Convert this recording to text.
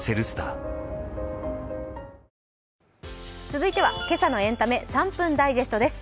続いては今朝のエンタメ３分ダイジェストです。